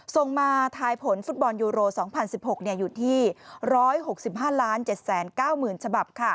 ส่งมาทายผลฟุตบอลยูโร๒๐๑๖อยู่ที่๑๖๕๗๙๐๐ฉบับ